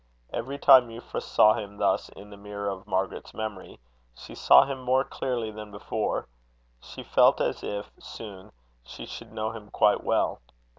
Every time Euphra saw him thus in the mirror of Margaret's memory, she saw him more clearly than before: she felt as if, soon, she should know him quite well.